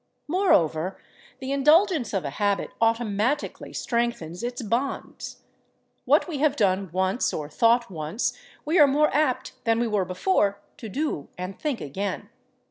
Moreover, the indulgence of a habit automatically strengthens its bonds. What we have done once or thought once, we are more apt than we were before to do and think again.